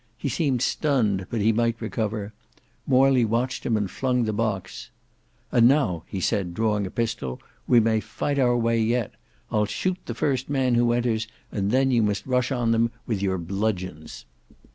He seemed stunned, but he might recover. Morley watched him and flung the box. "And now," he said drawing a pistol, "we may fight our way yet. I'll shoot the first man who enters, and then you must rush on them with your bludgeons."